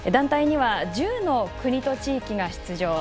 団体には１０の国と地域が出場。